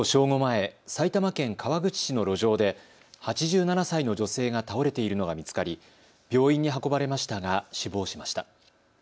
午前、埼玉県川口市の路上で８７歳の女性が倒れているのが見つかり、病院に運ばれましたが死亡しました。